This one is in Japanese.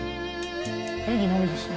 ネギのみですね。